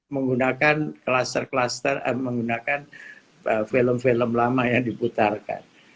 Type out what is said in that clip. menggunakan kluster kluster menggunakan film film lama yang diputarkan